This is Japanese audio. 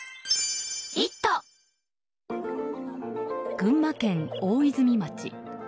群馬県大泉町。